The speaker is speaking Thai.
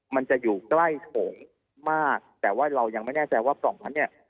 มันจะอยู่ใกล้โถงมากแต่ว่าเรายังไม่แน่ใจว่าปล่องนั้นเนี่ย